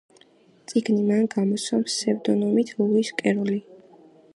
წიგნი მან გამოსცა ფსევდონიმით ლუის კეროლი.